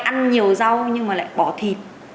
ăn nhiều rau nhưng mà lại bỏ thịt